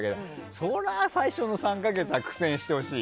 そりゃ最初の３か月は苦戦してほしいよ。